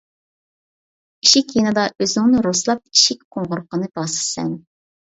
ئىشىك يېنىدا ئۆزۈڭنى رۇسلاپ، ئىشىك قوڭغۇرىقىنى باسىسەن.